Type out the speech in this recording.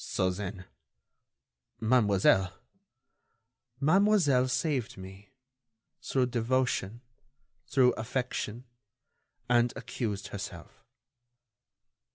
"So, then ... Mademoiselle...." "Mademoiselle saved me ... through devotion ... through affection ... and accused herself...."